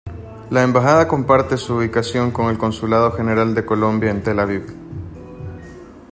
La Embajada comparte su ubicación con el Consulado General de Colombia en Tel Aviv.